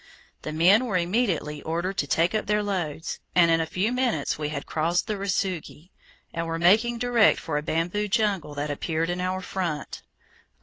The men were immediately ordered to take up their loads, and in a few minutes we had crossed the Rusugi, and were making direct for a bamboo jungle that appeared in our front.